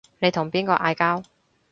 你同邊個嗌交